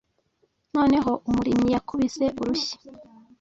Noneho umurimyi yakubise urushyi